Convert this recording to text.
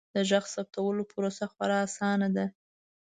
د غږ ثبتولو پروسه خورا اسانه ده.